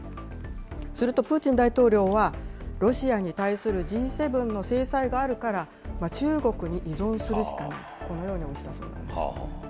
するとプーチン大統領は、ロシアに対するＧ７の制裁があるから、中国に依存するしかないと、このように応じたそうなんです。